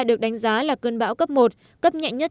được đánh giá là cơn bão cấp một cấp nhẹ nhất